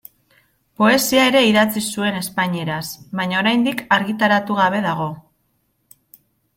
Poesia ere idatzi zuen espainieraz, baina oraindik argitaratu gabe dago.